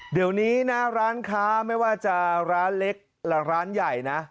เดี๋ยวนี้นะร้านค้าไม่ว่าจะร้านเล็กและร้านใหญ่นะ